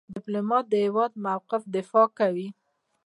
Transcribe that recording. ډيپلومات د هیواد موقف دفاع کوي.